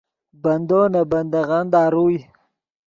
بندو نے بندغّن داروئے